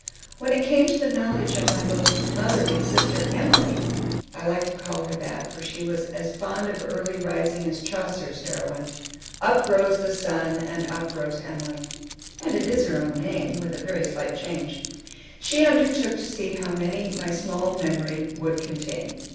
When it came to the knowledge of my most motherly sister Emilie, I like to call her that, for she was as fond of early rising as Chaucer's heroine: "Up rose the sun, and up rose Emilie;" and it is her own name, with a very slight change, she undertook to see how many my small memory would contain.